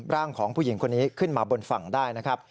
ร่างของผู้หญิงคนนี้ขึ้นมาบนฝั่งได้นะครับ